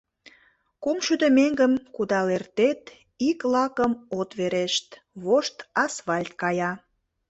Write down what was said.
Кумшӱдӧ меҥгым кудал эртет — ик лакым от верешт, вошт асфальт кая.